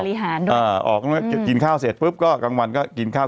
มีการบริหารด้วยอ่าออกก็กินข้าวเสร็จปุ๊บก็กลางวันก็กินข้าว